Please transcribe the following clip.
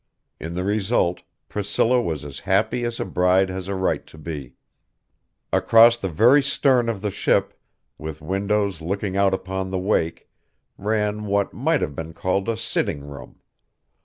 In the result, Priscilla was as happy as a bride has a right to be. Across the very stern of the ship, with windows looking out upon the wake, ran what might have been called a sitting room.